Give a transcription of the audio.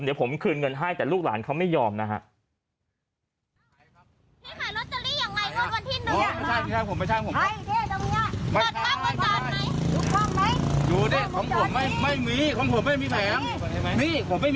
เดี๋ยวผมคืนเงินให้แต่ลูกหลานเขาไม่ยอมนะฮะ